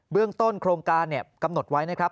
เรื่องต้นโครงการกำหนดไว้นะครับ